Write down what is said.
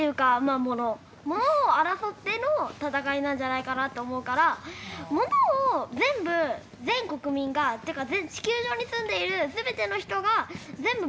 ものを争っての戦いなんじゃないかなって思うからものを全部全国民がっていうか地球上に住んでいる全ての人が全部平等に使えるようになったら。